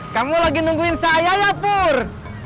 kamu lagi nungguin saya ya pur